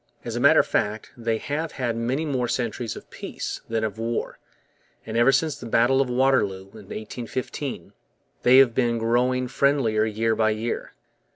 As a matter of fact, they have had many more centuries of peace than of war; and ever since the battle of Waterloo, in 1815, they have been growing friendlier year by year.